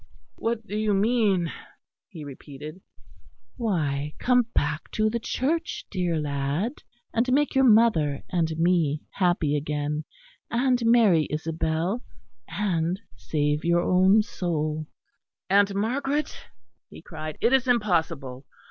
"What do you mean?" he repeated. "Why, come back to the Church, dear lad; and make your mother and me happy again, and marry Isabel, and save your own soul." "Aunt Margaret," he cried, "it is impossible.